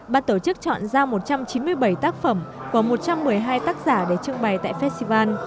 ban tổ chức chọn ra một trăm chín mươi bảy tác phẩm của một trăm một mươi hai tác giả để trưng bày tại festival